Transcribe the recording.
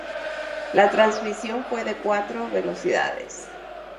La transmisión fue de cuatro velocidades.